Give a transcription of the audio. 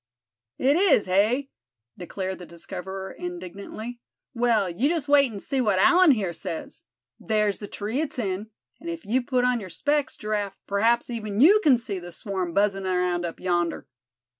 "It is, hey?" declared the discoverer, indignantly; "well, you just wait and see what Allan here says. There's the tree it's in; and if you put on your specs, Giraffe, p'raps even you c'n see the swarm buzzin' around up yonder."